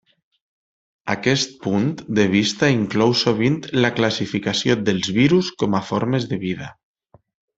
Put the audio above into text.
Aquest punt de vista inclou sovint la classificació dels virus com a formes de vida.